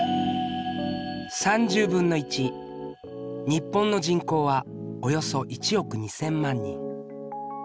日本の人口はおよそ１億２，０００万人。